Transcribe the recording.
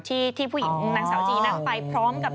ที่ผู้หญิงนางสาวจีนั่งไปพร้อมกับ